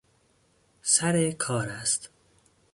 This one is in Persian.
سر کار است.